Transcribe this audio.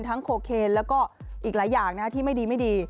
ทั้งโคเคนแล้วก็อีกหลายอย่างที่ไม่ดี